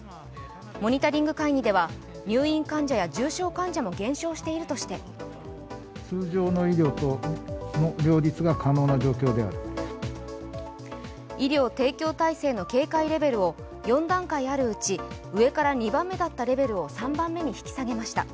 モニタリング会議では入院患者や重症患者も減少しているとして医療提供体制の警戒レベルを４段階あるうち上から２番目だったレベルを３番目に引き下げました。